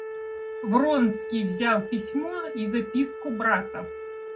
Вронский взял письмо и записку брата.